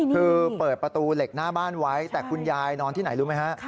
คือเปิดประตูเหล็กหน้าบ้านไว้แต่คุณยายนอนที่ไหนรู้ไหมฮะ